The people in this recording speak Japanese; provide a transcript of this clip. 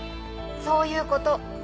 そういうこと。